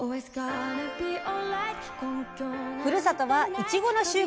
ふるさとはいちごの収穫量